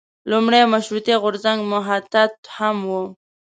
لومړی مشروطیه غورځنګ محتاط هم و.